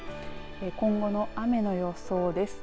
今後の雨の予想です。